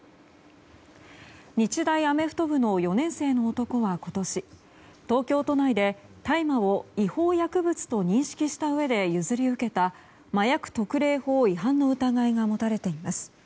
日大アメフト部の４年生の男は今年東京都内で大麻を違法薬物と認識したうえで譲り受けた、麻薬特例法違反の疑いが持たれています。